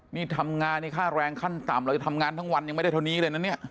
นี่ทำงานนี่ค่าแรงขั้นต่ำเราจะทำงานทั้งวันยังไม่ได้เท่านี้เลยนะเนี่ย